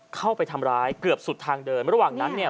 เข้าไปทำร้ายเกือบสุดทางเดินระหว่างนั้นเนี่ย